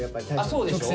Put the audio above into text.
そうでしょ。